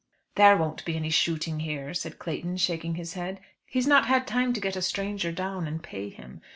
"There won't be any shooting here," said Clayton, shaking his head, "he's not had time to get a stranger down and pay him.